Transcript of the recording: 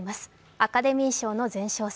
アカデミー賞の前哨戦